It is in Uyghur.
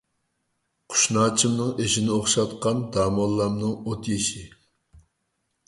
قۇشناچىمنىڭ ئېشىنى ئوخشاتقان داموللامنىڭ ئوتيېشى.